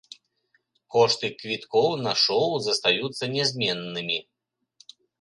Кошты квіткоў на шоў застаюцца нязменнымі.